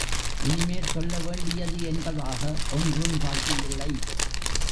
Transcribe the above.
இனி மேல் சொல்லவேண்டியது என்பதாக ஒன்றும் பாக்கியில்லை.